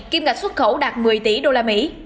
kiêm ngạch xuất khẩu đạt một mươi tỷ usd